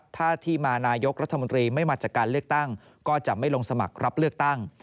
ถ้าที่มานายกรัฐมนตรีไม่มาจากการเลือกตั้งก็จะไม่ลงสมัครรับเลือกตั้ง